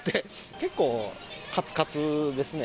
結構かつかつですね。